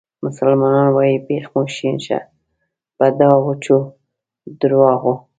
مسلمانان وایي بیخ مو شین شه په دا وچو درواغو.